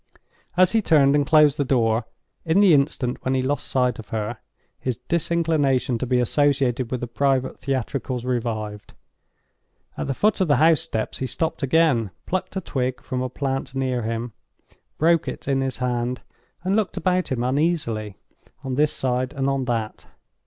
As he turned and closed the door—in the instant when he lost sight of her—his disinclination to be associated with the private theatricals revived. At the foot of the house steps he stopped again; plucked a twig from a plant near him; broke it in his hand; and looked about him uneasily, on this side and on that.